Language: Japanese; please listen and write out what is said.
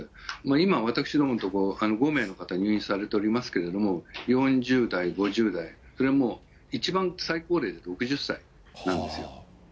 今、私どもの所、５名の方が入院されていますけれども、４０代、５０代、それはもう一番最高齢で、６０歳なんですよ。